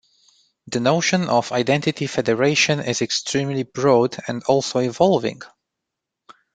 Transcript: The notion of identity federation is extremely broad, and also evolving.